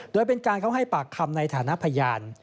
โดยเป็นการเขาให้ปากคำในฐานะพยาน